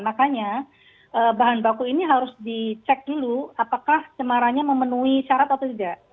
makanya bahan baku ini harus dicek dulu apakah cemarannya memenuhi syarat atau tidak